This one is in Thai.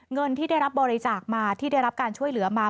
เงินที่ได้รับบริจาคมาที่ได้รับการช่วยเหลือมา